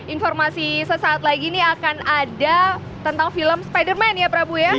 informasi sesaat lagi ini akan ada tentang film spiderman ya prabu ya